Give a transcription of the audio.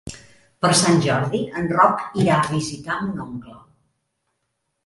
Per Sant Jordi en Roc irà a visitar mon oncle.